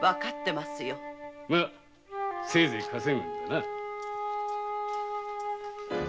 ませいぜい稼ぐんだな。